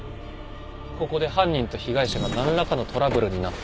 ここで犯人と被害者が何らかのトラブルになった。